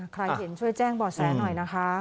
ใครเห็นช่วยแจ้งบ่อแสหน่อยนะคะ